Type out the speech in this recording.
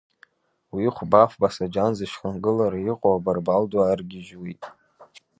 Уи хәба-фба саџьан зышьхынгылара иҟоу абарбал ду аргьежьуеит.